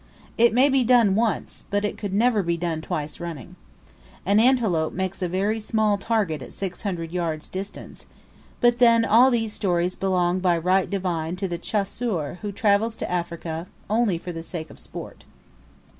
It may be done once, but it could never be done twice running. An antelope makes a very small target at 600 yards distance; but, then, all these stories belong by right divine to the chasseur who travels to Africa for the sake only of sport.